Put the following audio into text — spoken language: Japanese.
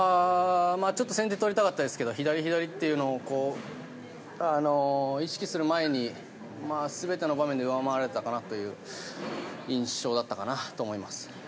先手を取りたかったですけど左、左っていうのを意識する前に全ての場面で上回られたかなという印象だったかなと思います。